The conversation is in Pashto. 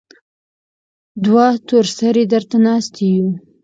دوه تور سرې درته ناستې يو.